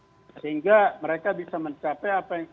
sehingga mereka bisa mencapai apa yang